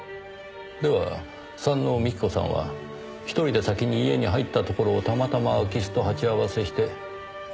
では山王美紀子さんは一人で先に家に入ったところをたまたま空き巣と鉢合わせして殺されたと？